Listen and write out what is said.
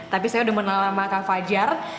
tapi saya sudah menelan sama kak fajar